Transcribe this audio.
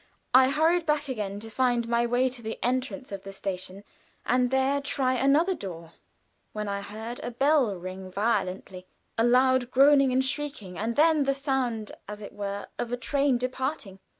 I hurried back again to find my way to the entrance of the station and there try another door, when I heard a bell ring violently a loud groaning and shrieking, and then the sound, as it were, of a train departing.